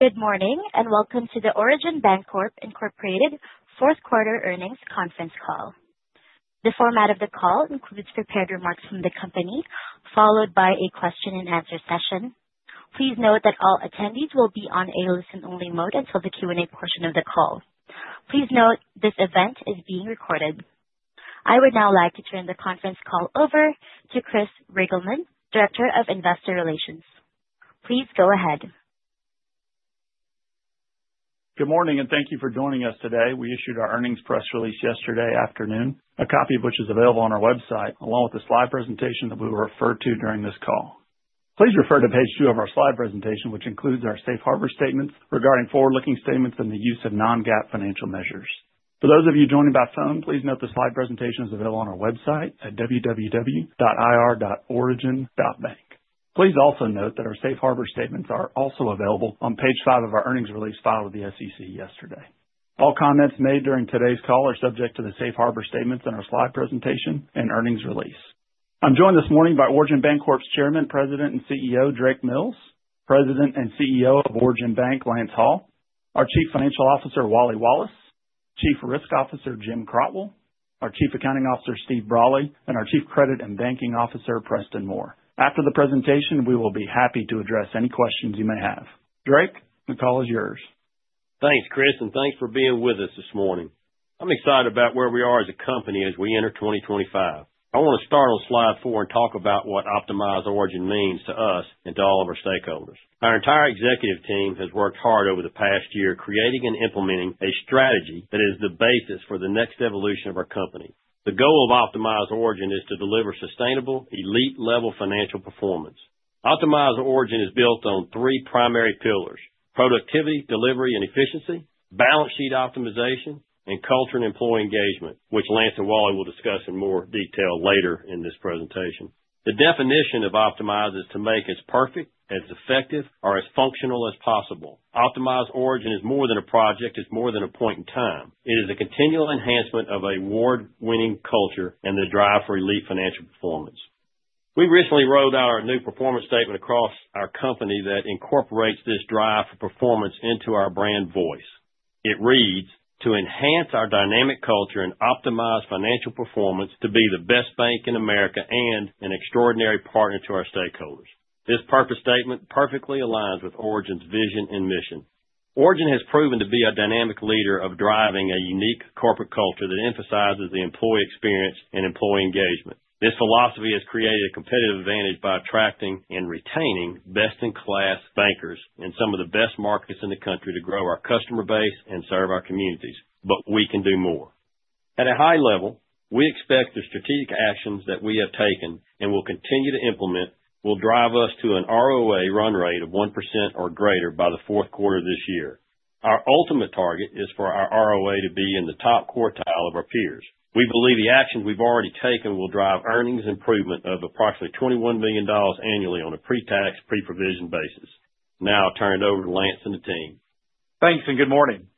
Good morning and welcome to the Origin Bancorp Incorporated Fourth Quarter Earnings Conference Call. The format of the call includes prepared remarks from the company, followed by a question-and-answer session. Please note that all attendees will be on a listen-only mode until the Q&A portion of the call. Please note this event is being recorded. I would now like to turn the conference call over to Chris Reigelman, Director of Investor Relations. Please go ahead. Good morning and thank you for joining us today. We issued our earnings press release yesterday afternoon, a copy of which is available on our website, along with the slide presentation that we will refer to during this call. Please refer to page two of our slide presentation, which includes our safe harbor statements regarding forward-looking statements and the use of non-GAAP financial measures. For those of you joining by phone, please note the slide presentation is available on our website at www.ir.origin.bank. Please also note that our safe harbor statements are also available on page five of our earnings release filed with the SEC yesterday. All comments made during today's call are subject to the safe harbor statements in our slide presentation and earnings release. I'm joined this morning by Origin Bancorp's Chairman, President, and CEO, Drake Mills, President and CEO of Origin Bank, Lance Hall, our Chief Financial Officer, Wally Wallace, Chief Risk Officer, Jim Crotwell, our Chief Accounting Officer, Steve Brolly, and our Chief Credit and Banking Officer, Preston Moore. After the presentation, we will be happy to address any questions you may have. Drake, the call is yours. Thanks, Chris, and thanks for being with us this morning. I'm excited about where we are as a company as we enter 2025. I want to start on slide four and talk about what Optimize Origin means to us and to all of our stakeholders. Our entire executive team has worked hard over the past year creating and implementing a strategy that is the basis for the next evolution of our company. The goal of Optimize Origin is to deliver sustainable, elite-level financial performance. Optimize Origin is built on three primary pillars: productivity, delivery, and efficiency, balance sheet optimization, and culture and employee engagement, which Lance and Wally will discuss in more detail later in this presentation. The definition of Optimize is to make as perfect, as effective, or as functional as possible. Optimize Origin is more than a project, it's more than a point in time. It is a continual enhancement of award-winning culture and the drive for elite financial performance. We recently rolled out our new performance statement across our company that incorporates this drive for performance into our brand voice. It reads, "To enhance our dynamic culture and optimize financial performance to be the best bank in America and an extraordinary partner to our stakeholders." This purpose statement perfectly aligns with Origin's vision and mission. Origin has proven to be a dynamic leader of driving a unique corporate culture that emphasizes the employee experience and employee engagement. This philosophy has created a competitive advantage by attracting and retaining best-in-class bankers in some of the best markets in the country to grow our customer base and serve our communities. But we can do more. At a high level, we expect the strategic actions that we have taken and will continue to implement will drive us to an ROA run rate of 1% or greater by the fourth quarter of this year. Our ultimate target is for our ROA to be in the top quartile of our peers. We believe the actions we've already taken will drive earnings improvement of approximately $21 million annually on a pre-tax, pre-provision basis. Now I'll turn it over to Lance and the team. Thanks and good morning.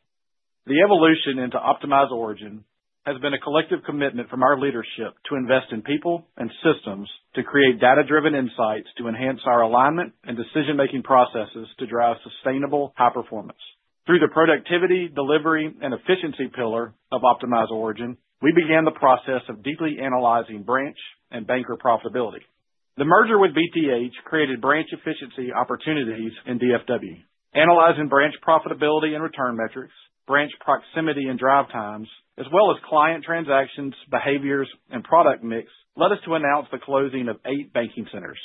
The evolution into Optimize Origin has been a collective commitment from our leadership to invest in people and systems to create data-driven insights to enhance our alignment and decision-making processes to drive sustainable high performance. Through the productivity, delivery, and efficiency pillar of Optimize Origin, we began the process of deeply analyzing branch and banker profitability. The merger with BTH created branch efficiency opportunities in DFW. Analyzing branch profitability and return metrics, branch proximity and drive times, as well as client transactions, behaviors, and product mix led us to announce the closing of eight banking centers.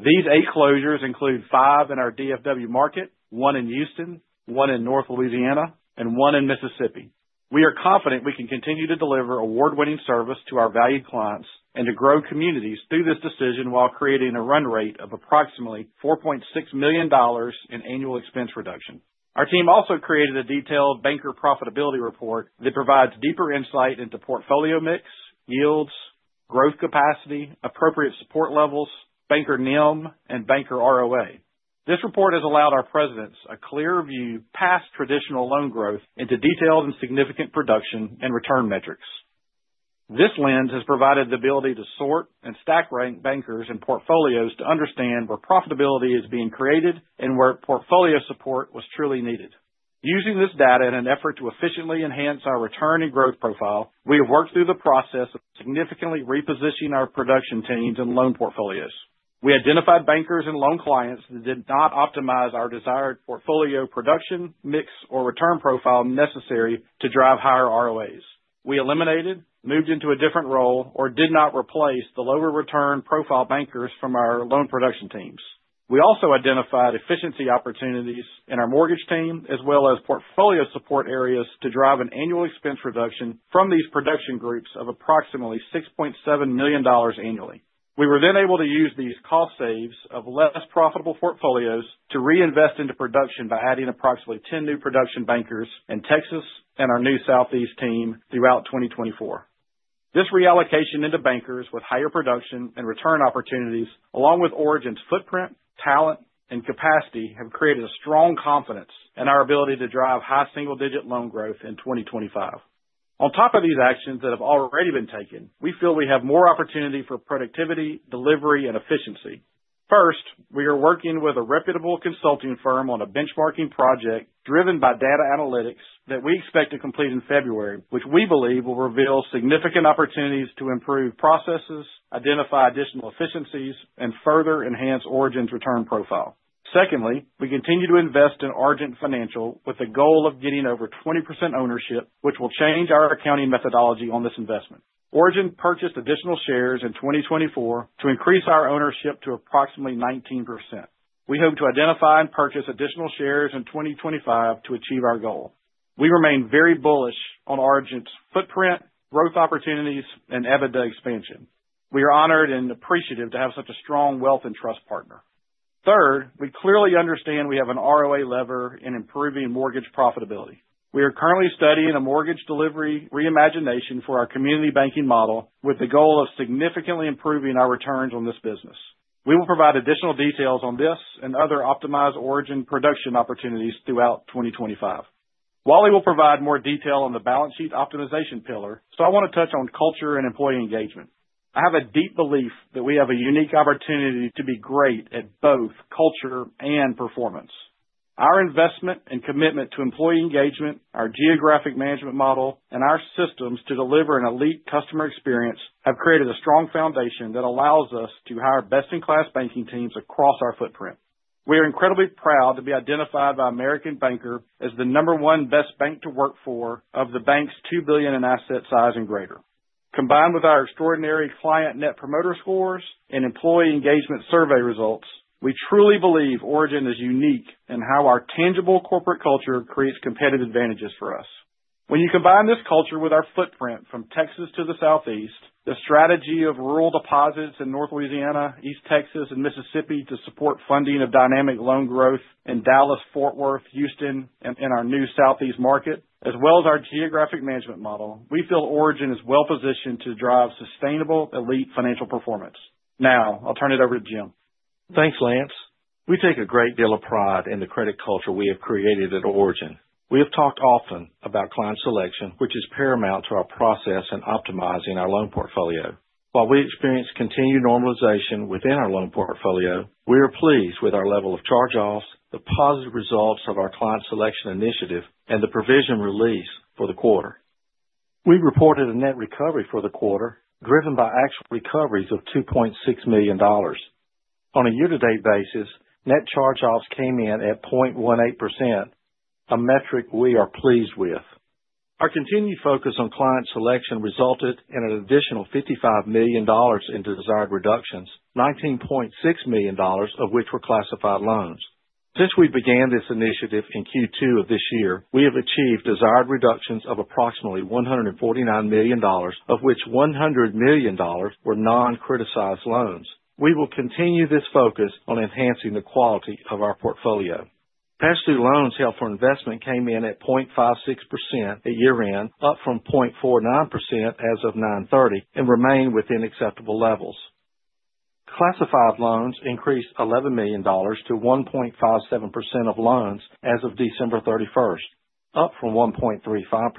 These eight closures include five in our DFW market, one in Houston, one in North Louisiana, and one in Mississippi. We are confident we can continue to deliver award-winning service to our valued clients and to grow communities through this decision while creating a run rate of approximately $4.6 million in annual expense reduction. Our team also created a detailed banker profitability report that provides deeper insight into portfolio mix, yields, growth capacity, appropriate support levels, banker NIM, and banker ROA. This report has allowed our presidents a clear view past traditional loan growth into detailed and significant production and return metrics. This lens has provided the ability to sort and stack rank bankers and portfolios to understand where profitability is being created and where portfolio support was truly needed. Using this data in an effort to efficiently enhance our return and growth profile, we have worked through the process of significantly repositioning our production teams and loan portfolios. We identified bankers and loan clients that did not optimize our desired portfolio production, mix, or return profile necessary to drive higher ROAs. We eliminated, moved into a different role, or did not replace the lower return profile bankers from our loan production teams. We also identified efficiency opportunities in our mortgage team as well as portfolio support areas to drive an annual expense reduction from these production groups of approximately $6.7 million annually. We were then able to use these cost saves of less profitable portfolios to reinvest into production by adding approximately 10 new production bankers in Texas and our new Southeast team throughout 2024. This reallocation into bankers with higher production and return opportunities, along with Origin's footprint, talent, and capacity, has created a strong confidence in our ability to drive high single-digit loan growth in 2025. On top of these actions that have already been taken, we feel we have more opportunity for productivity, delivery, and efficiency. First, we are working with a reputable consulting firm on a benchmarking project driven by data analytics that we expect to complete in February, which we believe will reveal significant opportunities to improve processes, identify additional efficiencies, and further enhance Origin's return profile. Secondly, we continue to invest in Argent Financial with the goal of getting over 20% ownership, which will change our accounting methodology on this investment. Origin purchased additional shares in 2024 to increase our ownership to approximately 19%. We hope to identify and purchase additional shares in 2025 to achieve our goal. We remain very bullish on Argent's footprint, growth opportunities, and EBITDA expansion. We are honored and appreciative to have such a strong wealth and trust partner. Third, we clearly understand we have an ROA lever in improving mortgage profitability. We are currently studying a mortgage delivery reimagination for our community banking model with the goal of significantly improving our returns on this business. We will provide additional details on this and other Optimize Origin production opportunities throughout 2025. Wally will provide more detail on the balance sheet optimization pillar, so I want to touch on culture and employee engagement. I have a deep belief that we have a unique opportunity to be great at both culture and performance. Our investment and commitment to employee engagement, our geographic management model, and our systems to deliver an elite customer experience have created a strong foundation that allows us to hire best-in-class banking teams across our footprint. We are incredibly proud to be identified by American Banker as the number one best bank to work for of the bank's $2 billion in asset size and greater. Combined with our extraordinary client Net Promoter Scores and employee engagement survey results, we truly believe Origin is unique in how our tangible corporate culture creates competitive advantages for us. When you combine this culture with our footprint from Texas to the Southeast, the strategy of rural deposits in North Louisiana, East Texas, and Mississippi to support funding of dynamic loan growth in Dallas, Fort Worth, Houston, and our new Southeast market, as well as our geographic management model, we feel Origin is well positioned to drive sustainable elite financial performance. Now I'll turn it over to Jim. Thanks, Lance. We take a great deal of pride in the credit culture we have created at Origin. We have talked often about client selection, which is paramount to our process in optimizing our loan portfolio. While we experience continued normalization within our loan portfolio, we are pleased with our level of charge-offs, the positive results of our client selection initiative, and the provision release for the quarter. We reported a net recovery for the quarter driven by actual recoveries of $2.6 million. On a year-to-date basis, net charge-offs came in at 0.18%, a metric we are pleased with. Our continued focus on client selection resulted in an additional $55 million into desired reductions, $19.6 million of which were classified loans. Since we began this initiative in Q2 of this year, we have achieved desired reductions of approximately $149 million, of which $100 million were non-criticized loans. We will continue this focus on enhancing the quality of our portfolio. Past due loans held for investment came in at 0.56% at year-end, up from 0.49% as of 9/30 and remain within acceptable levels. Classified loans increased $11 million to 1.57% of loans as of December 31st, up from 1.35%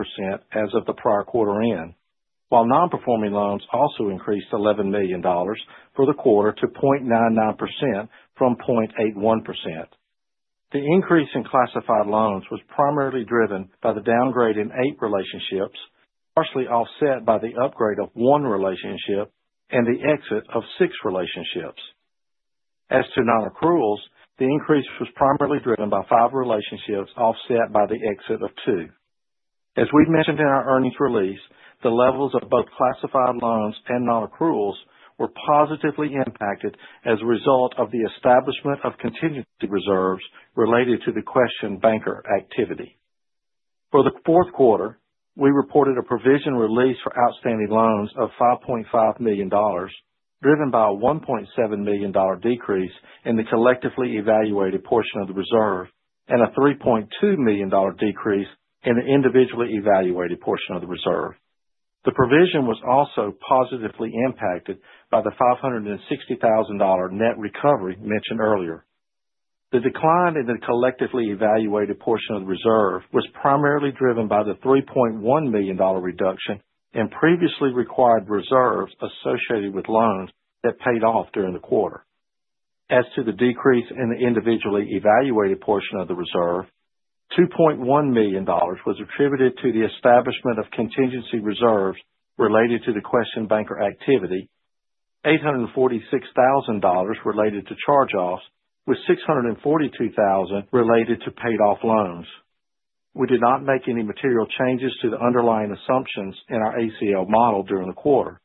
as of the prior quarter-end, while non-performing loans also increased $11 million for the quarter to 0.99% from 0.81%. The increase in classified loans was primarily driven by the downgrade in eight relationships, partially offset by the upgrade of one relationship and the exit of six relationships. As to non-accruals, the increase was primarily driven by five relationships offset by the exit of two. As we mentioned in our earnings release, the levels of both classified loans and non-accruals were positively impacted as a result of the establishment of contingency reserves related to the questionable banker activity. For the fourth quarter, we reported a provision release for outstanding loans of $5.5 million, driven by a $1.7 million decrease in the collectively evaluated portion of the reserve and a $3.2 million decrease in the individually evaluated portion of the reserve. The provision was also positively impacted by the $560,000 net recovery mentioned earlier. The decline in the collectively evaluated portion of the reserve was primarily driven by the $3.1 million reduction in previously required reserves associated with loans that paid off during the quarter. As to the decrease in the individually evaluated portion of the reserve, $2.1 million was attributed to the establishment of contingency reserves related to the acquisition banking activity, $846,000 related to charge-offs, with $643,000 related to paid-off loans. We did not make any material changes to the underlying assumptions in our ACL model during the quarter.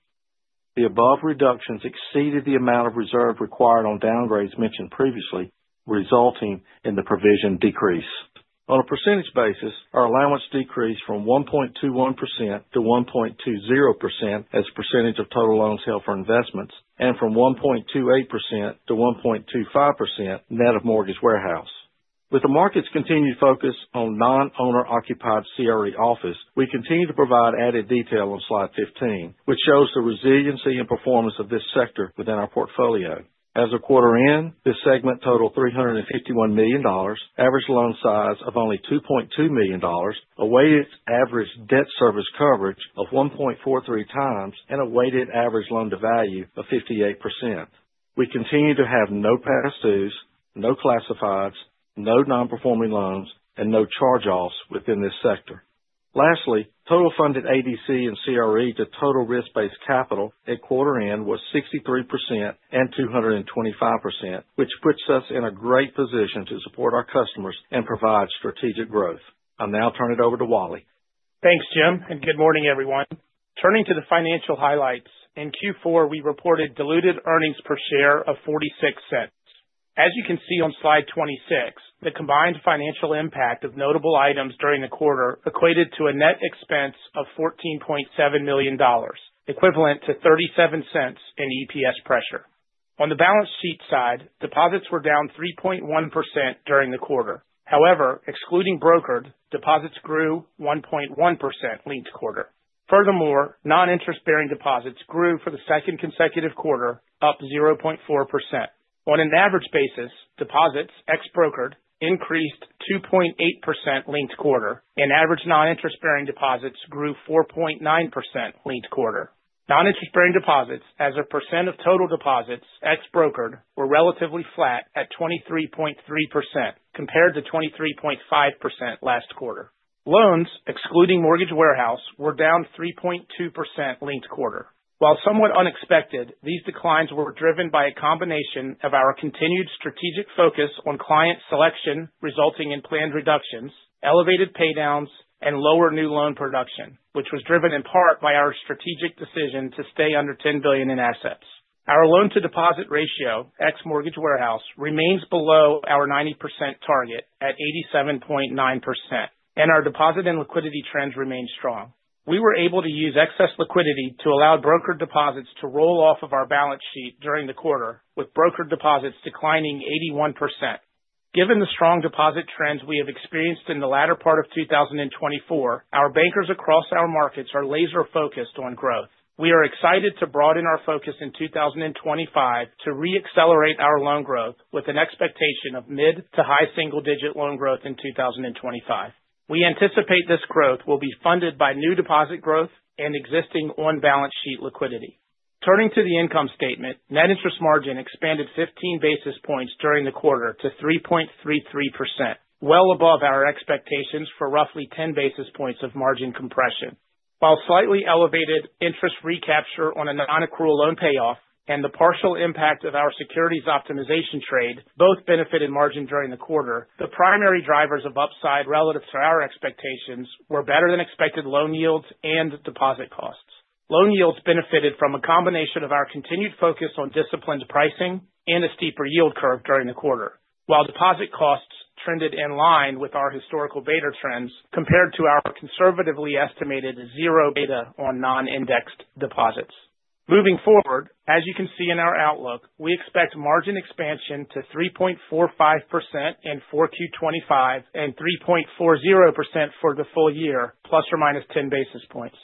The above reductions exceeded the amount of reserve required on downgrades mentioned previously, resulting in the provision decrease. On a percentage basis, our allowance decreased from 1.21% to 1.20% as a percentage of total loans held for investments and from 1.28% to 1.25% net of mortgage warehouse. With the market's continued focus on non-owner-occupied CRE office, we continue to provide added detail on slide 15, which shows the resiliency and performance of this sector within our portfolio. As of quarter-end, this segment totaled $351 million, average loan size of only $2.2 million, a weighted average debt service coverage of 1.43 times, and a weighted average loan-to-value of 58%. We continue to have no past dues, no classifieds, no non-performing loans, and no charge-offs within this sector. Lastly, total funded ADC and CRE to total risk-based capital at quarter-end was 63% and 225%, which puts us in a great position to support our customers and provide strategic growth. I'll now turn it over to Wally. Thanks, Jim, and good morning, everyone. Turning to the financial highlights, in Q4, we reported diluted earnings per share of $0.46. As you can see on slide 26, the combined financial impact of notable items during the quarter equated to a net expense of $14.7 million, equivalent to $0.37 in EPS pressure. On the balance sheet side, deposits were down 3.1% during the quarter. However, excluding brokered, deposits grew 1.1% linked quarter. Furthermore, non-interest-bearing deposits grew for the second consecutive quarter, up 0.4%. On an average basis, deposits ex-brokered increased 2.8% linked quarter, and average non-interest-bearing deposits grew 4.9% linked quarter. Non-interest-bearing deposits, as a percent of total deposits ex-brokered, were relatively flat at 23.3% compared to 23.5% last quarter. Loans, excluding mortgage warehouse, were down 3.2% linked quarter. While somewhat unexpected, these declines were driven by a combination of our continued strategic focus on client selection, resulting in planned reductions, elevated paydowns, and lower new loan production, which was driven in part by our strategic decision to stay under $10 billion in assets. Our loan-to-deposit ratio ex-mortgage warehouse remains below our 90% target at 87.9%, and our deposit and liquidity trends remain strong. We were able to use excess liquidity to allow brokered deposits to roll off of our balance sheet during the quarter, with brokered deposits declining 81%. Given the strong deposit trends we have experienced in the latter part of 2024, our bankers across our markets are laser-focused on growth. We are excited to broaden our focus in 2025 to re-accelerate our loan growth with an expectation of mid to high single-digit loan growth in 2025. We anticipate this growth will be funded by new deposit growth and existing on-balance sheet liquidity. Turning to the income statement, net interest margin expanded 15 basis points during the quarter to 3.33%, well above our expectations for roughly 10 basis points of margin compression. While slightly elevated interest recapture on a non-accrual loan payoff and the partial impact of our securities optimization trade both benefited margin during the quarter, the primary drivers of upside relative to our expectations were better than expected loan yields and deposit costs. Loan yields benefited from a combination of our continued focus on disciplined pricing and a steeper yield curve during the quarter, while deposit costs trended in line with our historical beta trends compared to our conservatively estimated zero beta on non-indexed deposits. Moving forward, as you can see in our outlook, we expect margin expansion to 3.45% in 4Q 2025 and 3.40% for the full year, plus or minus 10 basis points.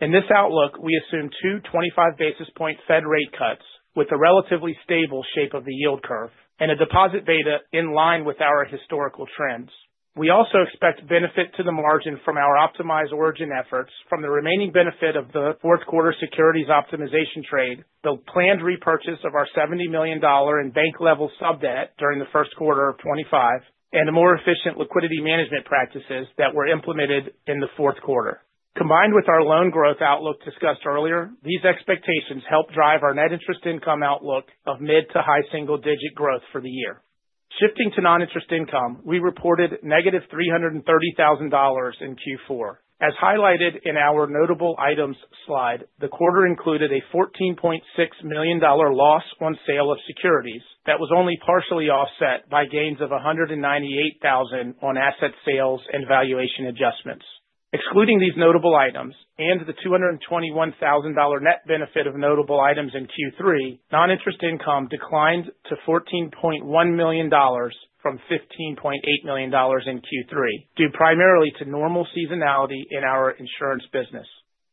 In this outlook, we assume two 25 basis point Fed rate cuts with a relatively stable shape of the yield curve and a deposit beta in line with our historical trends. We also expect benefit to the margin from our optimized Origin efforts from the remaining benefit of the fourth quarter securities optimization trade, the planned repurchase of our $70 million in bank-level sub-debt during the first quarter of 2025, and the more efficient liquidity management practices that were implemented in the fourth quarter. Combined with our loan growth outlook discussed earlier, these expectations help drive our net interest income outlook of mid to high single-digit growth for the year. Shifting to non-interest income, we reported negative $330,000 in Q4. As highlighted in our notable items slide, the quarter included a $14.6 million loss on sale of securities that was only partially offset by gains of $198,000 on asset sales and valuation adjustments. Excluding these notable items and the $221,000 net benefit of notable items in Q3, non-interest income declined to $14.1 million from $15.8 million in Q3 due primarily to normal seasonality in our insurance business.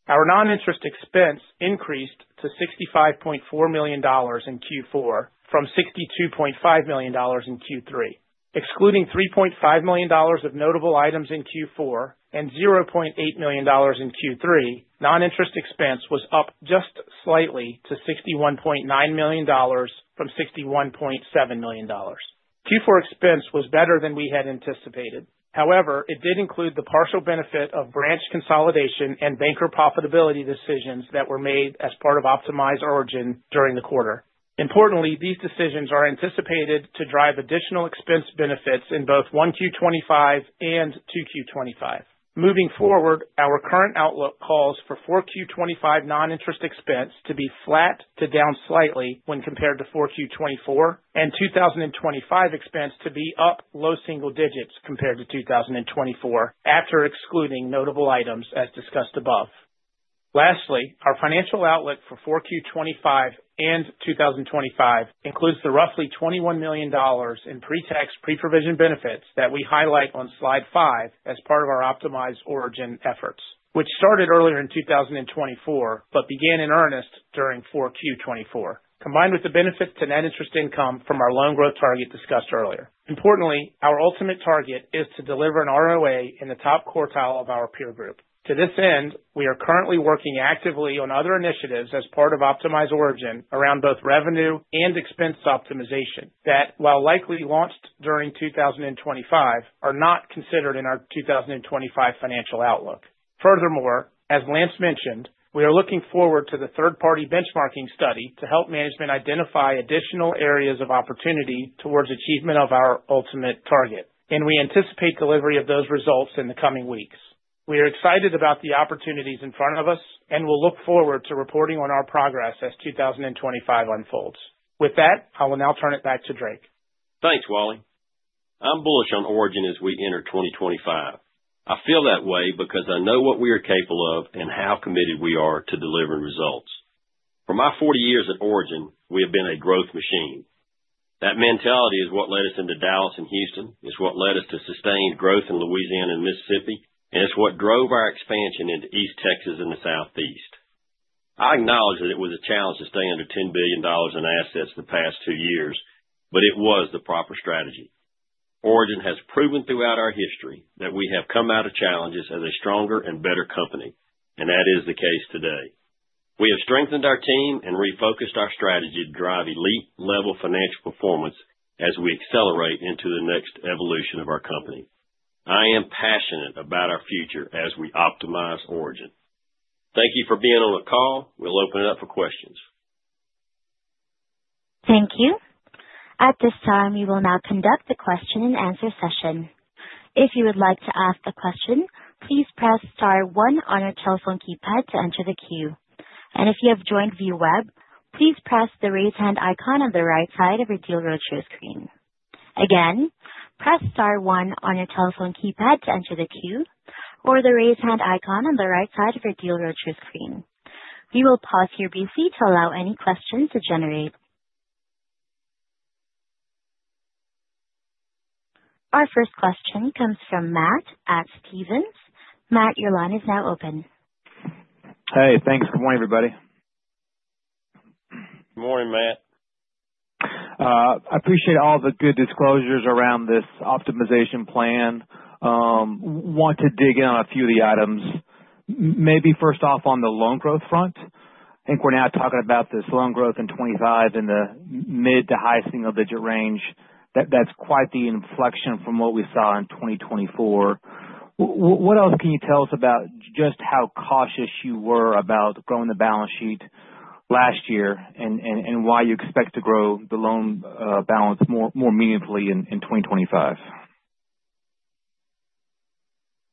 Our non-interest expense increased to $65.4 million in Q4 from $62.5 million in Q3. Excluding $3.5 million of notable items in Q4 and $0.8 million in Q3, non-interest expense was up just slightly to $61.9 million from $61.7 million. Q4 expense was better than we had anticipated. However, it did include the partial benefit of branch consolidation and banker profitability decisions that were made as part of Optimize Origin during the quarter. Importantly, these decisions are anticipated to drive additional expense benefits in both 1Q 2025 and 2Q 2025. Moving forward, our current outlook calls for 4Q 2025 non-interest expense to be flat to down slightly when compared to 4Q 2024, and 2025 expense to be up low single digits compared to 2024 after excluding notable items as discussed above. Lastly, our financial outlook for 4Q 2025 and 2025 includes the roughly $21 million in pre-tax pre-provision benefits that we highlight on slide 5 as part of our optimized Origin efforts, which started earlier in 2024 but began in earnest during 4Q 2024, combined with the benefits to net interest income from our loan growth target discussed earlier. Importantly, our ultimate target is to deliver an ROA in the top quartile of our peer group. To this end, we are currently working actively on other initiatives as part of Optimize Origin around both revenue and expense optimization that, while likely launched during 2025, are not considered in our 2025 financial outlook. Furthermore, as Lance mentioned, we are looking forward to the third-party benchmarking study to help management identify additional areas of opportunity towards achievement of our ultimate target, and we anticipate delivery of those results in the coming weeks. We are excited about the opportunities in front of us and will look forward to reporting on our progress as 2025 unfolds. With that, I will now turn it back to Drake. Thanks, Wally. I'm bullish on Origin as we enter 2025. I feel that way because I know what we are capable of and how committed we are to delivering results. For my 40 years at Origin, we have been a growth machine. That mentality is what led us into Dallas and Houston. It's what led us to sustained growth in Louisiana and Mississippi, and it's what drove our expansion into East Texas and the Southeast. I acknowledge that it was a challenge to stay under $10 billion in assets the past two years, but it was the proper strategy. Origin has proven throughout our history that we have come out of challenges as a stronger and better company, and that is the case today. We have strengthened our team and refocused our strategy to drive elite-level financial performance as we accelerate into the next evolution of our company. I am passionate about our future as we Optimize Origin. Thank you for being on the call. We'll open it up for questions. Thank you. At this time, we will now conduct the question-and-answer session. If you would like to ask a question, please press star one on your telephone keypad to enter the queue, and if you have joined via web, please press the raise hand icon on the right side of your Deal Roadshow screen. Again, press star one on your telephone keypad to enter the queue or the raise hand icon on the right side of your Deal Roadshow screen. We will pause here briefly to allow any questions to generate. Our first question comes from Matt at Stephens. Matt, your line is now open. Hey, thanks. Good morning, everybody. Good morning, Matt. I appreciate all the good disclosures around this optimization plan. Want to dig in on a few of the items. Maybe first off on the loan growth front. I think we're now talking about this loan growth in 2025 in the mid to high single-digit range. That's quite the inflection from what we saw in 2024. What else can you tell us about just how cautious you were about growing the balance sheet last year and why you expect to grow the loan balance more meaningfully in 2025?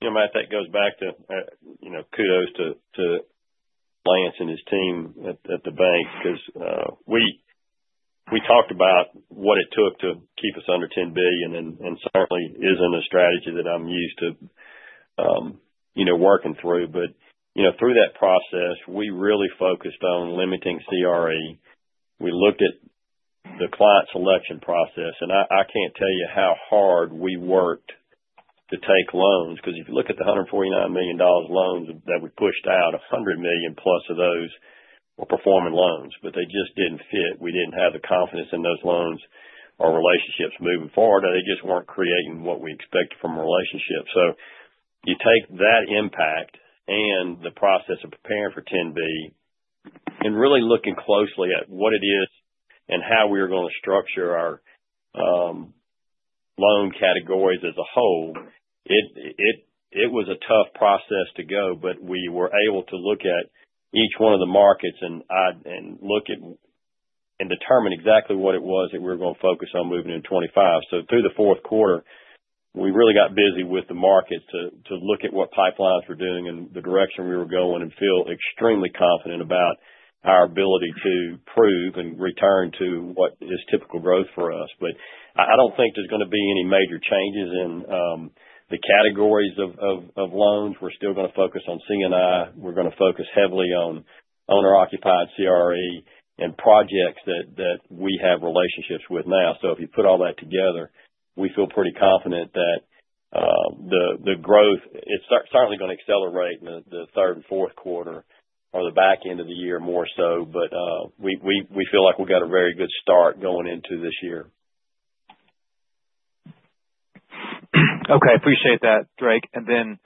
Yeah, Matt, that goes back to kudos to Lance and his team at the bank because we talked about what it took to keep us under $10 billion, and certainly isn't a strategy that I'm used to working through. But through that process, we really focused on limiting CRE. We looked at the client selection process, and I can't tell you how hard we worked to take loans because if you look at the $149 million loans that we pushed out, $100 million-plus of those were performing loans, but they just didn't fit. We didn't have the confidence in those loans or relationships moving forward, and they just weren't creating what we expected from relationships. So you take that impact and the process of preparing for 10B and really looking closely at what it is and how we are going to structure our loan categories as a whole. It was a tough process to go, but we were able to look at each one of the markets and look at and determine exactly what it was that we were going to focus on moving in 2025. So through the fourth quarter, we really got busy with the markets to look at what pipelines we're doing and the direction we were going and feel extremely confident about our ability to prove and return to what is typical growth for us. But I don't think there's going to be any major changes in the categories of loans. We're still going to focus on C&I. We're going to focus heavily on owner-occupied CRE and projects that we have relationships with now. So if you put all that together, we feel pretty confident that the growth, it's certainly going to accelerate in the third and fourth quarter or the back end of the year more so, but we feel like we got a very good start going into this year. Okay. Appreciate that, Drake. And then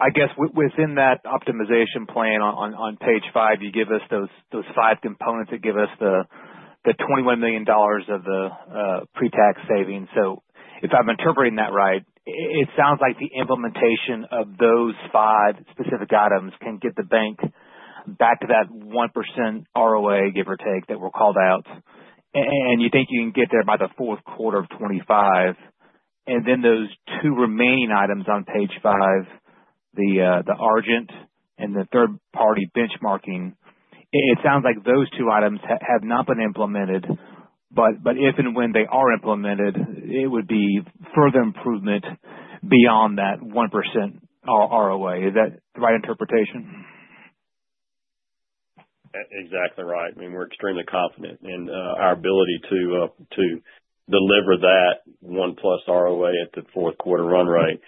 I guess within that optimization plan on page five, you give us those five components that give us the $21 million of the pre-tax savings. So if I'm interpreting that right, it sounds like the implementation of those five specific items can get the bank back to that 1% ROA, give or take, that were called out, and you think you can get there by the fourth quarter of 2025. And then those two remaining items on page five, the Argent and the third-party benchmarking, it sounds like those two items have not been implemented, but if and when they are implemented, it would be further improvement beyond that 1% ROA. Is that the right interpretation? Exactly right. I mean, we're extremely confident in our ability to deliver that 1-plus ROA at the fourth quarter run rate.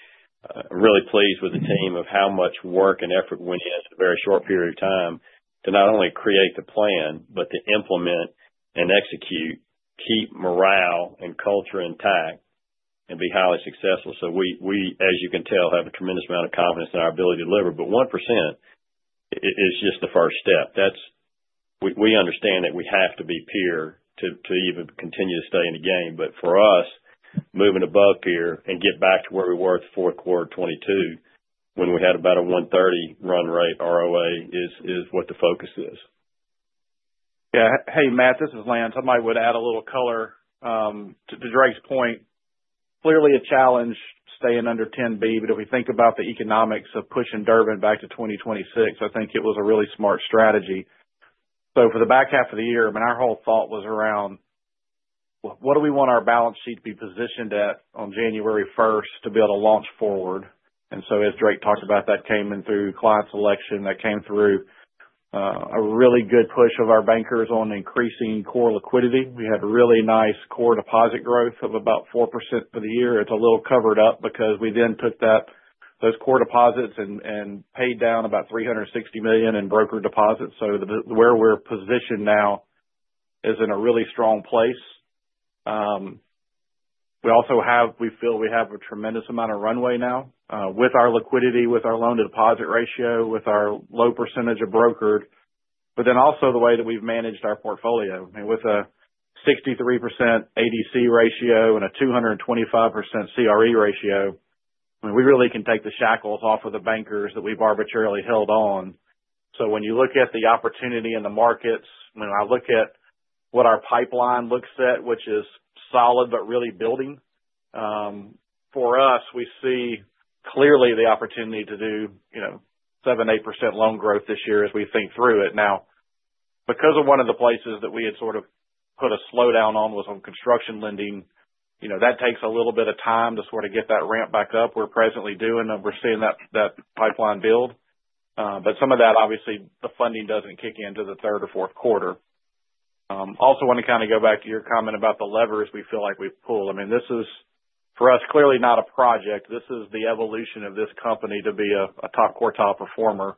Really pleased with the team of how much work and effort went into a very short period of time to not only create the plan, but to implement and execute, keep morale and culture intact, and be highly successful. So we, as you can tell, have a tremendous amount of confidence in our ability to deliver. But 1% is just the first step. We understand that we have to be peer to even continue to stay in the game. But for us, moving above peer and get back to where we were at the fourth quarter of 2022 when we had about a 130 run rate ROA is what the focus is. Yeah. Hey, Matt, this is Lance. I might want to add a little color to Drake's point. Clearly a challenge staying under 10B, but if we think about the economics of pushing Durbin back to 2026, I think it was a really smart strategy. So for the back half of the year, I mean, our whole thought was around what do we want our balance sheet to be positioned at on January 1st to be able to launch forward. And so as Drake talked about, that came in through client selection, that came through a really good push of our bankers on increasing core liquidity. We had really nice core deposit growth of about 4% for the year. It's a little covered up because we then took those core deposits and paid down about $360 million in brokered deposits. So where we're positioned now is in a really strong place. We feel we have a tremendous amount of runway now with our liquidity, with our loan-to-deposit ratio, with our low percentage of brokered, but then also the way that we've managed our portfolio. I mean, with a 63% ADC ratio and a 225% CRE ratio, I mean, we really can take the shackles off of the bankers that we've arbitrarily held on. So when you look at the opportunity in the markets, when I look at what our pipeline looks at, which is solid but really building, for us, we see clearly the opportunity to do 7%-8% loan growth this year as we think through it. Now, because of one of the places that we had sort of put a slowdown on was on construction lending, that takes a little bit of time to sort of get that ramp back up. We're presently doing and we're seeing that pipeline build. But some of that, obviously, the funding doesn't kick into the third or fourth quarter. Also, want to kind of go back to your comment about the levers we feel like we've pulled. I mean, this is, for us, clearly not a project. This is the evolution of this company to be a top quartile performer.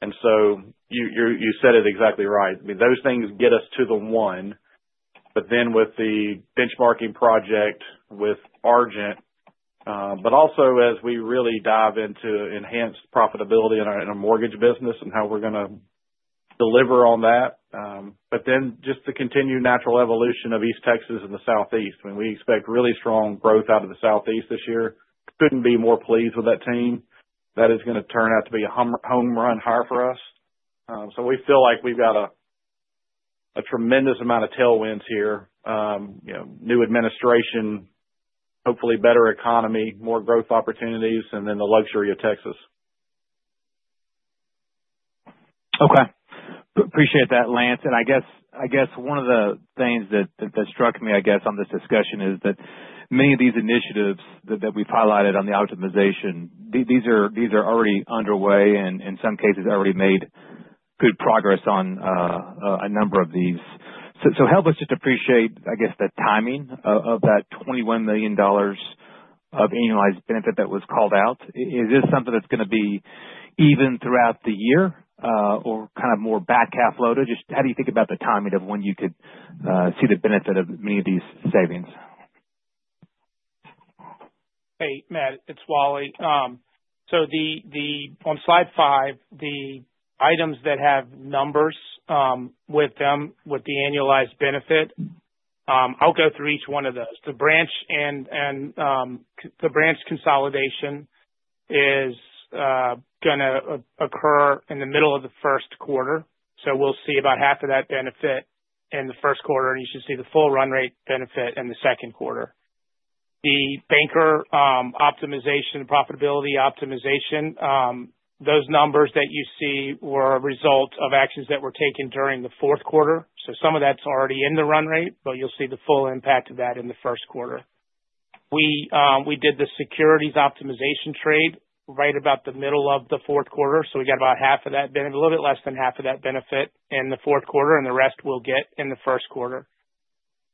And so you said it exactly right. I mean, those things get us to the one, but then with the benchmarking project with Argent, but also as we really dive into enhanced profitability in our mortgage business and how we're going to deliver on that. But then just the continued natural evolution of East Texas and the Southeast. I mean, we expect really strong growth out of the Southeast this year. Couldn't be more pleased with that team. That is going to turn out to be a home run higher for us. So we feel like we've got a tremendous amount of tailwinds here. New administration, hopefully better economy, more growth opportunities, and then the luxury of Texas. Okay. Appreciate that, Lance. And I guess one of the things that struck me, I guess, on this discussion is that many of these initiatives that we've highlighted on the optimization. These are already underway and in some cases already made good progress on a number of these. So help us just appreciate, I guess, the timing of that $21 million of annualized benefit that was called out. Is this something that's going to be even throughout the year or kind of more back half loaded? Just how do you think about the timing of when you could see the benefit of many of these savings? Hey, Matt, it's Wally. So on slide 5, the items that have numbers with them, with the annualized benefit, I'll go through each one of those. The branch consolidation is going to occur in the middle of the first quarter. So we'll see about half of that benefit in the first quarter, and you should see the full run rate benefit in the second quarter. The banker optimization, profitability optimization, those numbers that you see were a result of actions that were taken during the fourth quarter. So some of that's already in the run rate, but you'll see the full impact of that in the first quarter. We did the securities optimization trade right about the middle of the fourth quarter. So we got about half of that benefit, a little bit less than half of that benefit in the fourth quarter, and the rest we'll get in the first quarter.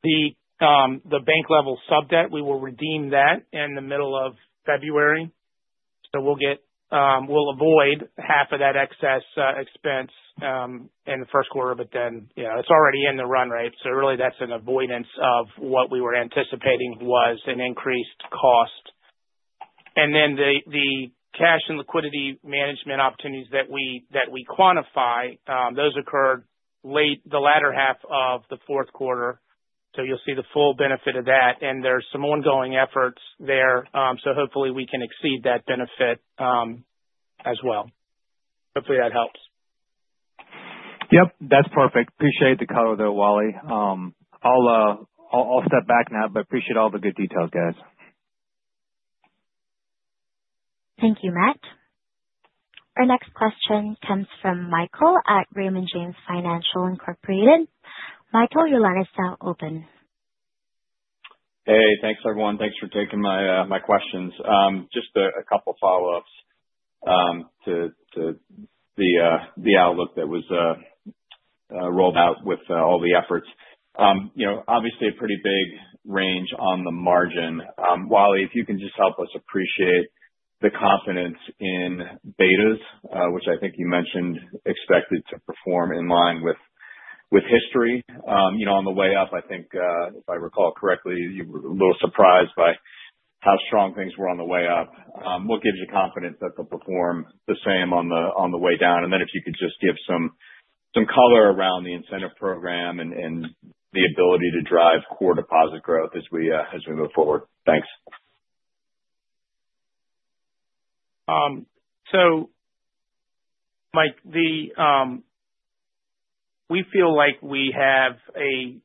The bank-level sub-debt, we will redeem that in the middle of February. So we'll avoid half of that excess expense in the first quarter, but then it's already in the run rate. So really, that's an avoidance of what we were anticipating was an increased cost. And then the cash and liquidity management opportunities that we quantify, those occurred late, the latter half of the fourth quarter. So you'll see the full benefit of that, and there's some ongoing efforts there. So hopefully we can exceed that benefit as well. Hopefully that helps. Yep. That's perfect. Appreciate the color there, Wally. I'll step back now, but appreciate all the good details, guys. Thank you, Matt. Our next question comes from Michael at Raymond James Financial, Inc. Michael, your line is now open. Hey, thanks everyone. Thanks for taking my questions. Just a couple of follow-ups to the outlook that was rolled out with all the efforts. Obviously, a pretty big range on the margin. Wally, if you can just help us appreciate the confidence in betas, which I think you mentioned expected to perform in line with history. On the way up, I think, if I recall correctly, you were a little surprised by how strong things were on the way up. What gives you confidence that they'll perform the same on the way down? And then if you could just give some color around the incentive program and the ability to drive core deposit growth as we move forward. Thanks. So Mike, we feel like we have a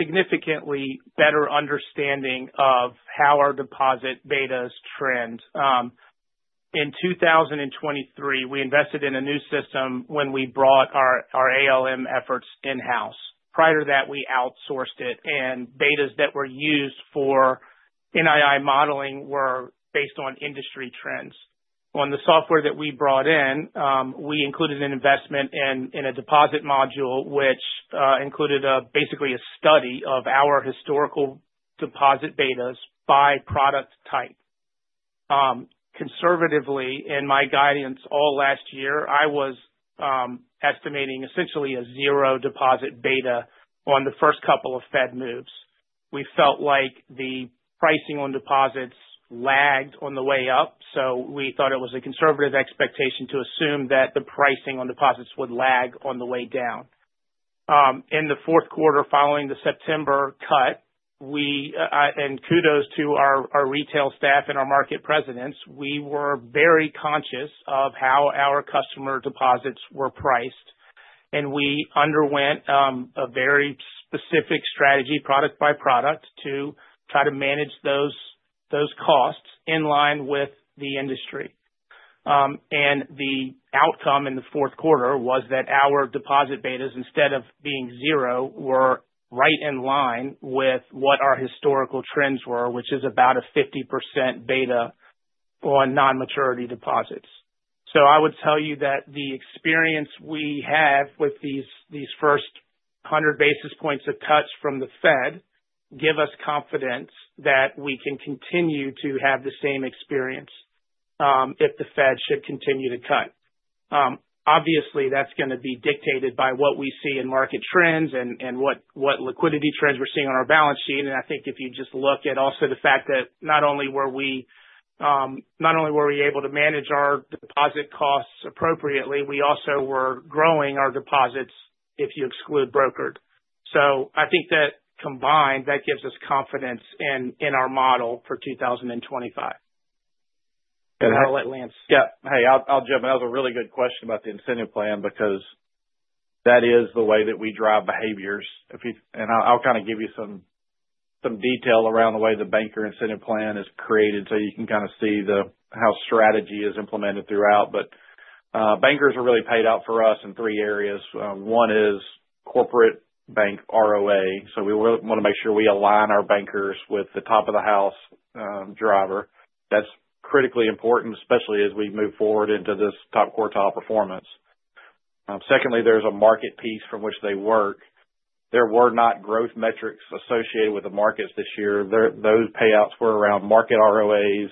significantly better understanding of how our deposit betas trend. In 2023, we invested in a new system when we brought our ALM efforts in-house. Prior to that, we outsourced it, and betas that were used for NII modeling were based on industry trends. On the software that we brought in, we included an investment in a deposit module, which included basically a study of our historical deposit betas by product type. Conservatively, in my guidance all last year, I was estimating essentially a zero deposit beta on the first couple of Fed moves. We felt like the pricing on deposits lagged on the way up, so we thought it was a conservative expectation to assume that the pricing on deposits would lag on the way down. In the fourth quarter following the September cut, and kudos to our retail staff and our market presidents, we were very conscious of how our customer deposits were priced, and we underwent a very specific strategy, product by product, to try to manage those costs in line with the industry, and the outcome in the fourth quarter was that our deposit betas, instead of being zero, were right in line with what our historical trends were, which is about a 50% beta on non-maturity deposits, so I would tell you that the experience we have with these first 100 basis points of cuts from the Fed gives us confidence that we can continue to have the same experience if the Fed should continue to cut. Obviously, that's going to be dictated by what we see in market trends and what liquidity trends we're seeing on our balance sheet. I think if you just look at also the fact that not only were we able to manage our deposit costs appropriately, we also were growing our deposits if you exclude brokered. So I think that combined, that gives us confidence in our model for 2025. I'll let Lance. Yeah. Hey, I'll jump in. That was a really good question about the incentive plan because that is the way that we drive behaviors. And I'll kind of give you some detail around the way the banker incentive plan is created so you can kind of see how strategy is implemented throughout. But bankers are really paid out for us in three areas. One is corporate bank ROA. So we want to make sure we align our bankers with the top of the house driver. That's critically important, especially as we move forward into this top quartile performance. Secondly, there's a market piece from which they work. There were not growth metrics associated with the markets this year. Those payouts were around market ROAs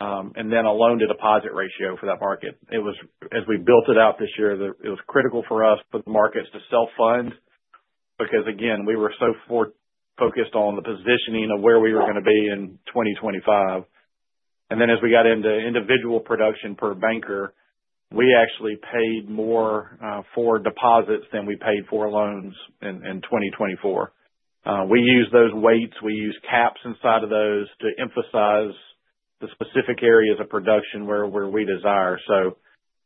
and then a loan-to-deposit ratio for that market. As we built it out this year, it was critical for us for the markets to self-fund because, again, we were so focused on the positioning of where we were going to be in 2025. And then as we got into individual production per banker, we actually paid more for deposits than we paid for loans in 2024. We use those weights. We use caps inside of those to emphasize the specific areas of production where we desire. So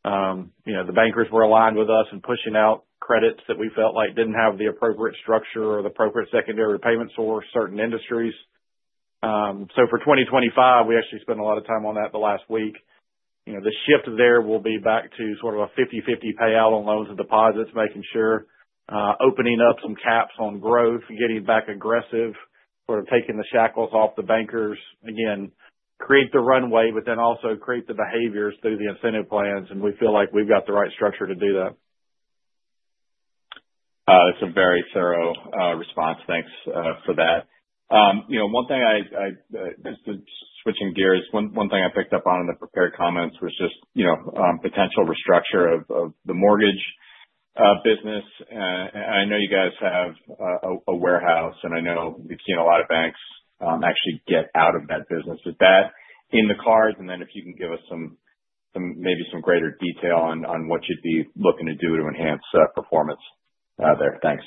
the bankers were aligned with us in pushing out credits that we felt like didn't have the appropriate structure or the appropriate secondary payment for certain industries. So for 2025, we actually spent a lot of time on that the last week. The shift there will be back to sort of a 50/50 payout on loans and deposits, making sure opening up some caps on growth, getting back aggressive, sort of taking the shackles off the bankers, again, create the runway, but then also create the behaviors through the incentive plans. And we feel like we've got the right structure to do that. That's a very thorough response. Thanks for that. One thing I just switching gears, one thing I picked up on in the prepared comments was just potential restructure of the mortgage business. And I know you guys have a warehouse, and I know we've seen a lot of banks actually get out of that business. Is that in the cards? And then if you can give us maybe some greater detail on what you'd be looking to do to enhance performance there. Thanks.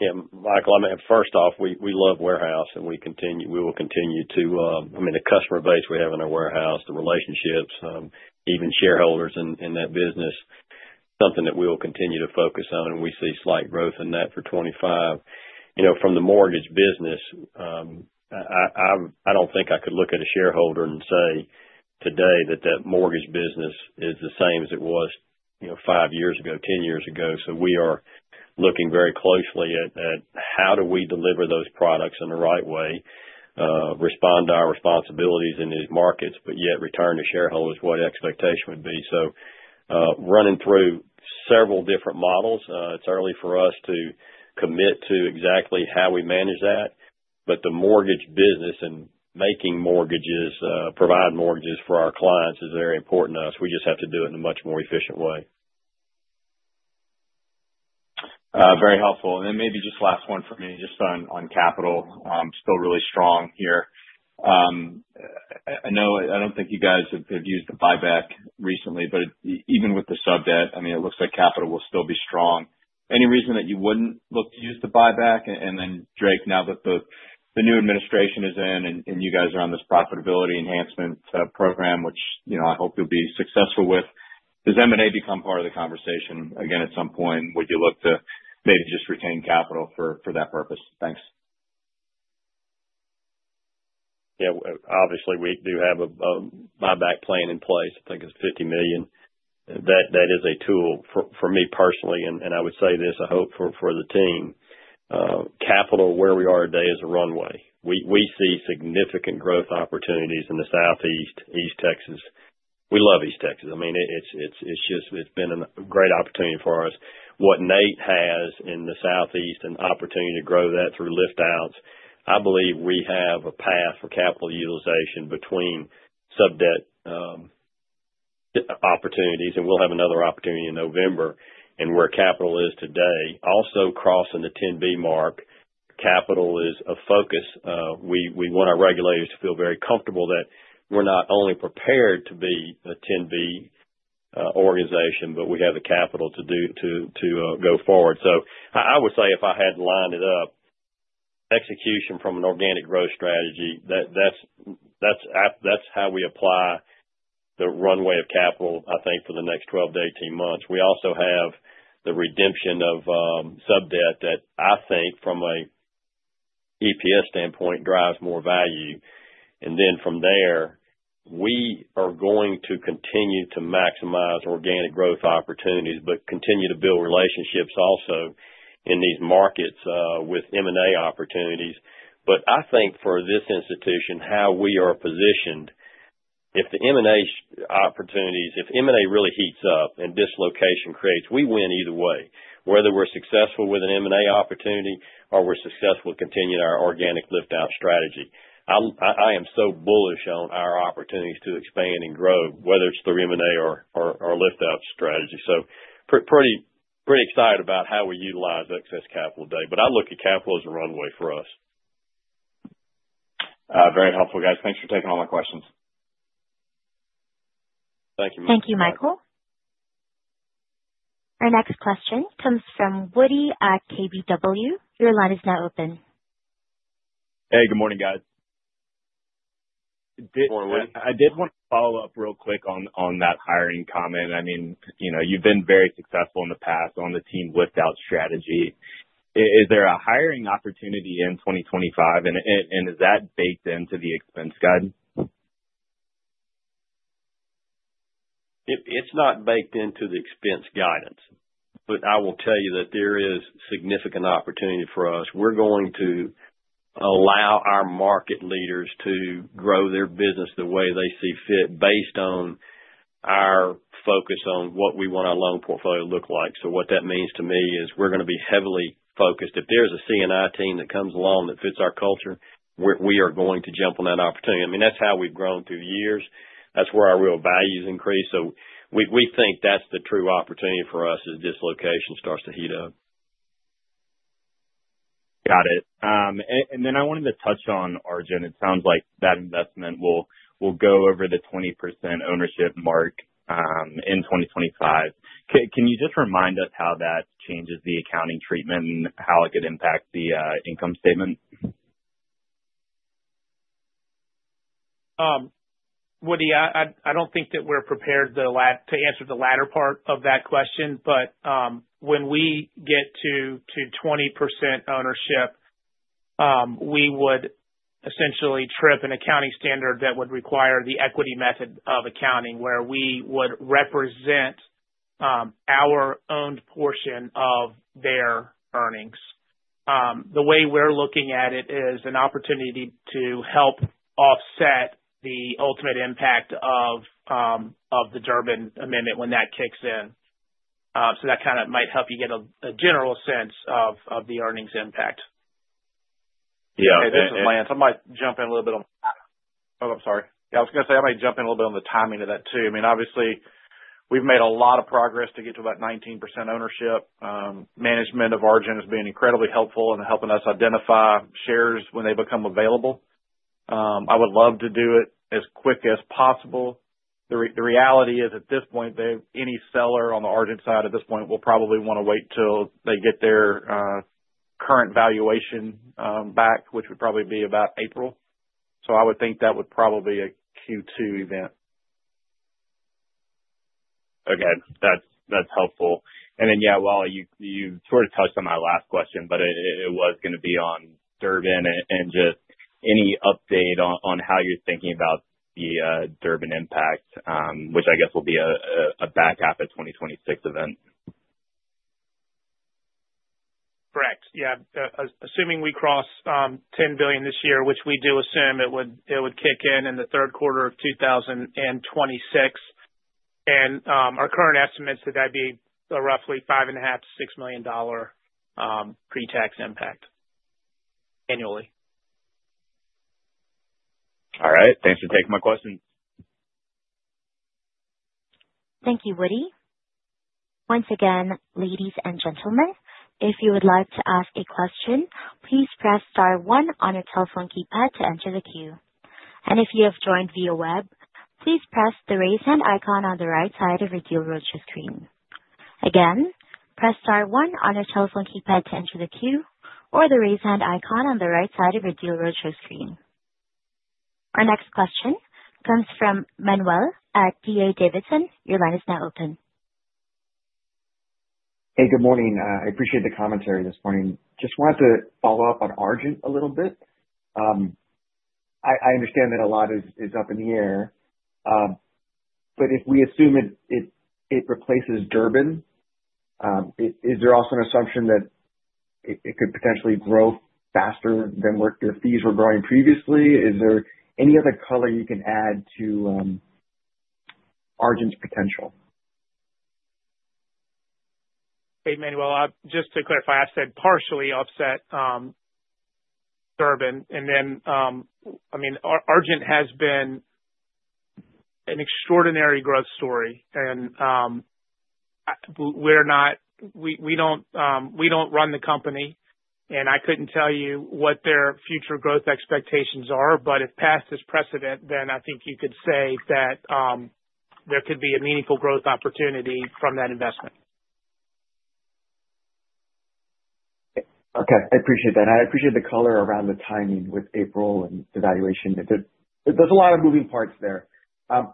Yeah. Michael, I mean, first off, we love warehouse, and we will continue to. I mean, the customer base we have in our warehouse, the relationships, even shareholders in that business, something that we will continue to focus on. We see slight growth in that for 2025. From the mortgage business, I don't think I could look at a shareholder and say today that that mortgage business is the same as it was five years ago, 10 years ago. We are looking very closely at how do we deliver those products in the right way, respond to our responsibilities in these markets, but yet return to shareholders what expectation would be. Running through several different models, it is early for us to commit to exactly how we manage that. The mortgage business and making mortgages, provide mortgages for our clients is very important to us. We just have to do it in a much more efficient way. Very helpful. And then maybe just last one for me, just on capital. Still really strong here. I don't think you guys have used the buyback recently, but even with the sub debt, I mean, it looks like capital will still be strong. Any reason that you wouldn't look to use the buyback? And then, Drake, now that the new administration is in and you guys are on this profitability enhancement program, which I hope you'll be successful with, does M&A become part of the conversation? Again, at some point, would you look to maybe just retain capital for that purpose? Thanks. Yeah. Obviously, we do have a buyback plan in place. I think it's $50 million. That is a tool for me personally, and I would say this, I hope for the team. Capital, where we are today, is a runway. We see significant growth opportunities in the Southeast, East Texas. We love East Texas. I mean, it's been a great opportunity for us. What Nate has in the Southeast and opportunity to grow that through lift-outs, I believe we have a path for capital utilization between sub debt opportunities, and we'll have another opportunity in November. And where capital is today, also crossing the 10B mark, capital is a focus. We want our regulators to feel very comfortable that we're not only prepared to be a 10B organization, but we have the capital to go forward. So I would say if I had to line it up, execution from an organic growth strategy, that's how we apply the runway of capital, I think, for the next 12 to 18 months. We also have the redemption of sub debt that I think from an EPS standpoint drives more value, and then from there, we are going to continue to maximize organic growth opportunities, but continue to build relationships also in these markets with M&A opportunities, but I think for this institution, how we are positioned, if the M&A opportunities, if M&A really heats up and dislocation creates, we win either way, whether we're successful with an M&A opportunity or we're successful with continuing our organic lift-out strategy, I am so bullish on our opportunities to expand and grow, whether it's through M&A or lift-out strategy, so pretty excited about how we utilize excess capital today, but I look at capital as a runway for us. Very helpful, guys. Thanks for taking all my questions. Thank you, Michael. Thank you, Michael. Our next question comes from Woody at KBW. Your line is now open. Hey, good morning, guys. Good morning, Woody. I did want to follow up real quick on that hiring comment. I mean, you've been very successful in the past on the team lift-out strategy. Is there a hiring opportunity in 2025, and is that baked into the expense guide? It's not baked into the expense guidance, but I will tell you that there is significant opportunity for us. We're going to allow our market leaders to grow their business the way they see fit based on our focus on what we want our loan portfolio to look like. So what that means to me is we're going to be heavily focused. If there's a C&I team that comes along that fits our culture, we are going to jump on that opportunity. I mean, that's how we've grown through years. That's where our real values increase. So we think that's the true opportunity for us as dislocation starts to heat up. Got it, and then I wanted to touch on Argent. It sounds like that investment will go over the 20% ownership mark in 2025. Can you just remind us how that changes the accounting treatment and how it could impact the income statement? Woody, I don't think that we're prepared to answer the latter part of that question, but when we get to 20% ownership, we would essentially trip an accounting standard that would require the equity method of accounting where we would represent our owned portion of their earnings. The way we're looking at it is an opportunity to help offset the ultimate impact of the Durbin Amendment when that kicks in. So that kind of might help you get a general sense of the earnings impact. Yeah. This is Lance. I might jump in a little bit on the. Oh, I'm sorry. Yeah, I was going to say I might jump in a little bit on the timing of that too. I mean, obviously, we've made a lot of progress to get to about 19% ownership. Management of Argent has been incredibly helpful in helping us identify shares when they become available. I would love to do it as quick as possible. The reality is at this point, any seller on the Argent side at this point will probably want to wait till they get their current valuation back, which would probably be about April. So I would think that would probably be a Q2 event. Okay. That's helpful. And then, yeah, well, you sort of touched on my last question, but it was going to be on Durbin and just any update on how you're thinking about the Durbin impact, which I guess will be a backup at 2026 event. Correct. Yeah. Assuming we cross $10 billion this year, which we do assume it would kick in in the third quarter of 2026. And our current estimates that that'd be a roughly $5.5 million-$6 million pre-tax impact annually. All right. Thanks for taking my question. Thank you, Woody. Once again, ladies and gentlemen, if you would like to ask a question, please press star one on your telephone keypad to enter the queue, and if you have joined via web, please press the raise hand icon on the right side of your Deal Roadshow screen. Again, press star one on your telephone keypad to enter the queue or the raise hand icon on the right side of your Deal Roadshow screen. Our next question comes from Manuel at D.A. Davidson. Your line is now open. Hey, good morning. I appreciate the commentary this morning. Just wanted to follow up on Argent a little bit. I understand that a lot is up in the air, but if we assume it replaces Durbin, is there also an assumption that it could potentially grow faster than where their fees were growing previously? Is there any other color you can add to Argent's potential? Hey, Manuel. Just to clarify, I said partially offset Durbin. And then, I mean, Argent has been an extraordinary growth story. And we don't run the company, and I couldn't tell you what their future growth expectations are, but if past is precedent, then I think you could say that there could be a meaningful growth opportunity from that investment. Okay. I appreciate that. I appreciate the color around the timing with April and the valuation. There's a lot of moving parts there. On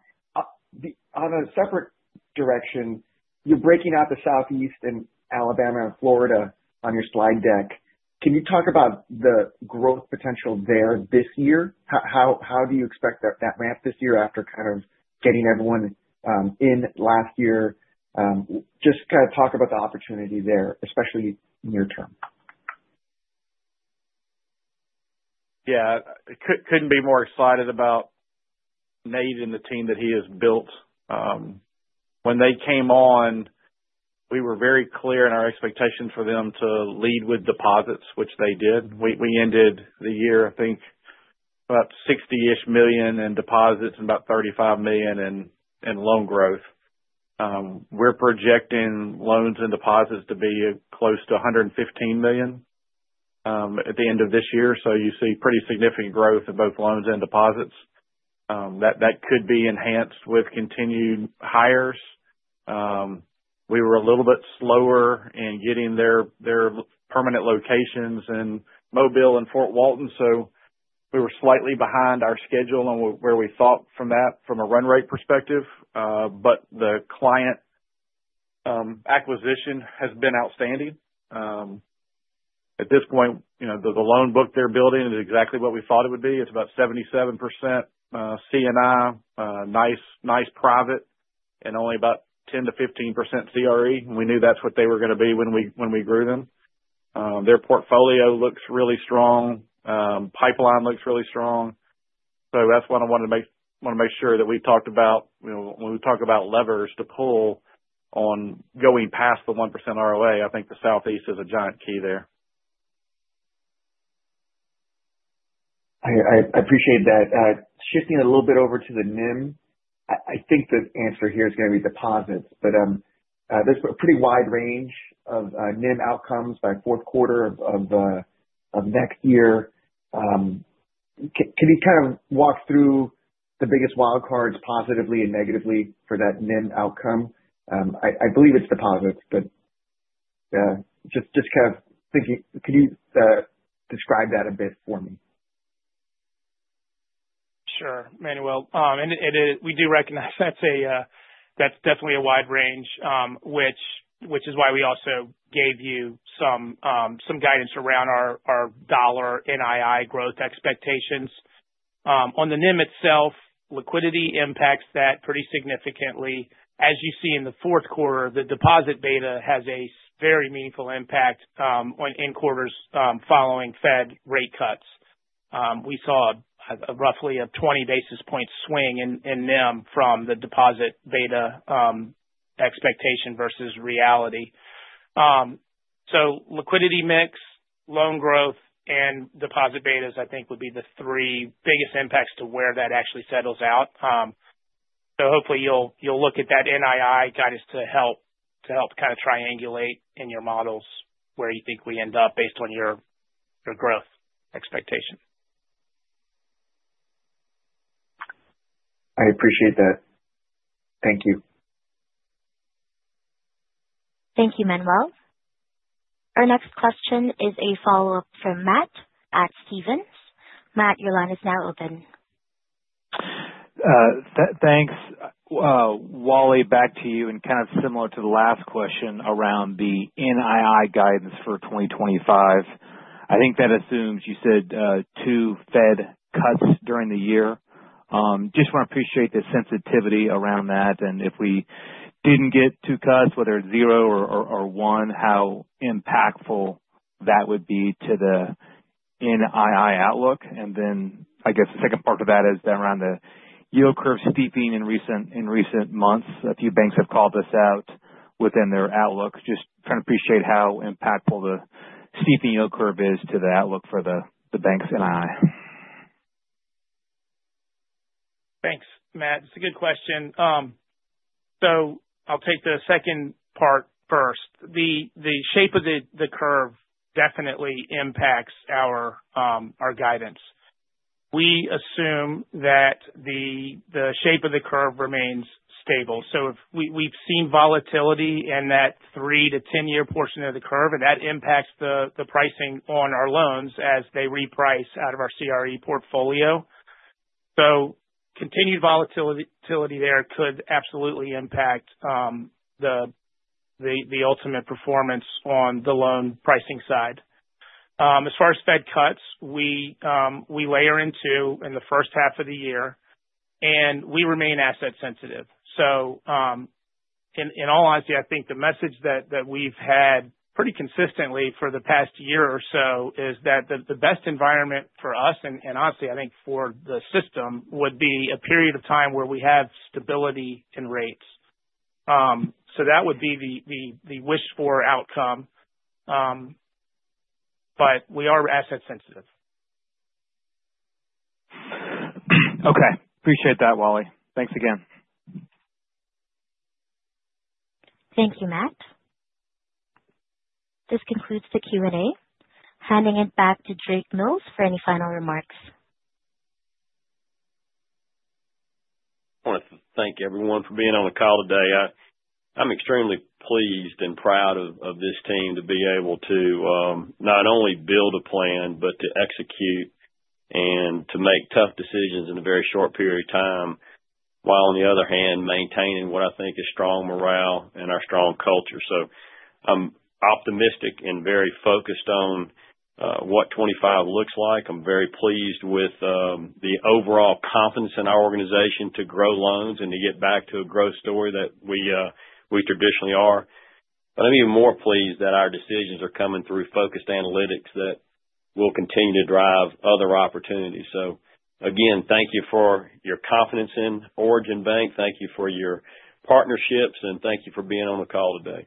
a separate direction, you're breaking out the Southeast and Alabama and Florida on your slide deck. Can you talk about the growth potential there this year? How do you expect that ramp this year after kind of getting everyone in last year? Just kind of talk about the opportunity there, especially near term. Yeah. Couldn't be more excited about Nate and the team that he has built. When they came on, we were very clear in our expectations for them to lead with deposits, which they did. We ended the year, I think, about $60-ish million in deposits and about $35 million in loan growth. We're projecting loans and deposits to be close to $115 million at the end of this year, so you see pretty significant growth in both loans and deposits. That could be enhanced with continued hires. We were a little bit slower in getting their permanent locations in Mobile and Fort Walton, so we were slightly behind our schedule on where we thought from a run rate perspective, but the client acquisition has been outstanding. At this point, the loan book they're building is exactly what we thought it would be. It's about 77% C&I, niche private, and only about 10%-15% CRE. We knew that's what they were going to be when we grew them. Their portfolio looks really strong. Pipeline looks really strong. So that's why I want to make sure that we talked about when we talk about levers to pull on going past the 1% ROA. I think the Southeast is a giant key there. I appreciate that. Shifting a little bit over to the NIM, I think the answer here is going to be deposits, but there's a pretty wide range of NIM outcomes by fourth quarter of next year. Can you kind of walk through the biggest wildcards positively and negatively for that NIM outcome? I believe it's deposits, but just kind of thinking, can you describe that a bit for me? Sure, Manuel. And we do recognize that's definitely a wide range, which is why we also gave you some guidance around our dollar NII growth expectations. On the NIM itself, liquidity impacts that pretty significantly. As you see in the fourth quarter, the deposit beta has a very meaningful impact on our NIM following Fed rate cuts. We saw roughly a 20 basis points swing in NIM from the deposit beta expectation versus reality. So liquidity mix, loan growth, and deposit betas, I think, would be the three biggest impacts to where that actually settles out. So hopefully, you'll look at that NII guidance to help kind of triangulate in your models where you think we end up based on your growth expectation. I appreciate that. Thank you. Thank you, Manuel. Our next question is a follow-up from Matt at Stephens. Matt, your line is now open. Thanks. Wally, back to you. And kind of similar to the last question around the NII guidance for 2025, I think that assumes you said two Fed cuts during the year. Just want to appreciate the sensitivity around that. And if we didn't get two cuts, whether it's zero or one, how impactful that would be to the NII outlook. And then I guess the second part of that is around the yield curve steepening in recent months. A few banks have called us out within their outlook. Just trying to appreciate how impactful the steepening yield curve is to the outlook for the banks and NII. Thanks, Matt. It's a good question. So I'll take the second part first. The shape of the curve definitely impacts our guidance. We assume that the shape of the curve remains stable. So we've seen volatility in that three to 10-year portion of the curve, and that impacts the pricing on our loans as they reprice out of our CRE portfolio. So continued volatility there could absolutely impact the ultimate performance on the loan pricing side. As far as Fed cuts, we layer into in the first half of the year, and we remain asset-sensitive. So in all honesty, I think the message that we've had pretty consistently for the past year or so is that the best environment for us, and honestly, I think for the system, would be a period of time where we have stability in rates. So that would be the wishful outcome, but we are asset-sensitive. Okay. Appreciate that, Wally. Thanks again. Thank you, Matt. This concludes the Q&A. Handing it back to Drake Mills for any final remarks. I want to thank everyone for being on the call today. I'm extremely pleased and proud of this team to be able to not only build a plan, but to execute and to make tough decisions in a very short period of time while, on the other hand, maintaining what I think is strong morale and our strong culture. So I'm optimistic and very focused on what 2025 looks like. I'm very pleased with the overall confidence in our organization to grow loans and to get back to a growth story that we traditionally are. But I'm even more pleased that our decisions are coming through focused analytics that will continue to drive other opportunities. So again, thank you for your confidence in Origin Bank. Thank you for your partnerships, and thank you for being on the call today.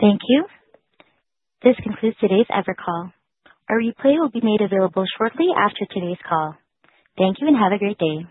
Thank you. This concludes today's earnings call. A replay will be made available shortly after today's call. Thank you and have a great day.